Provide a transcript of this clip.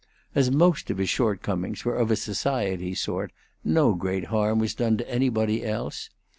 As most of his shortcomings were of a society sort, no great harm was done to anybody else.